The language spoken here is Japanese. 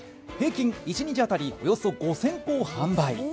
平均一日当たりおよそ５０００個を販売。